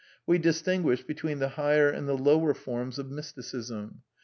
We distinguished between the higher and the lower forms of Mysticism.